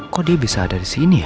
kok dia bisa ada di sini ya